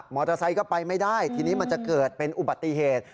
อเตอร์ไซค์ก็ไปไม่ได้ทีนี้มันจะเกิดเป็นอุบัติเหตุ